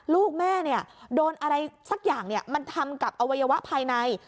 ลูกแม่โดนอะไรสักอย่างมันทำกับอวัยวะภายใน